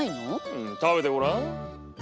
うん食べてごらん。